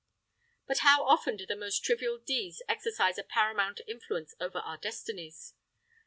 But how often do the most trivial deeds exercise a paramount influence over our destinies!